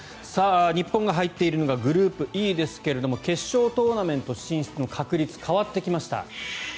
日本が入っているのがグループＥですけれども決勝トーナメント進出の確率変わってきました。